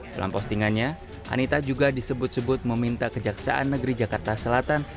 dalam postingannya anita juga disebut sebut meminta kejaksaan negeri jakarta selatan